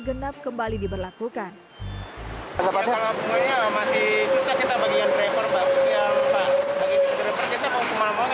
genap kembali diberlakukan tetap ada masih susah kita bagian driver driver kita mau kemana mana